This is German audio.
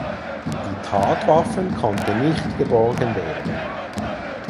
Die Tatwaffen konnten nicht geborgen werden.